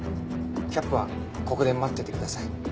キャップはここで待っていてください。